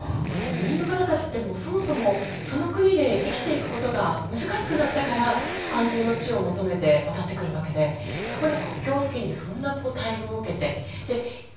移民の方たちってそもそもその土地で生きていくことが難しくなったから安住の地を求めて渡ってくるわけでそこに国境付近でそんな待遇を受けて。